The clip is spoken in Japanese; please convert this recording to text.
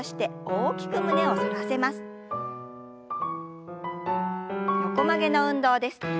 横曲げの運動です。